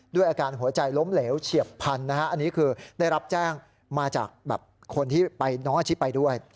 ด้วยอาการหัวใจล้มเหลวเฉียบพันธุ์นะฮะอันนี้คือได้รับแจ้งมาจากคนที่ไปน้องอาชีพไปด้วย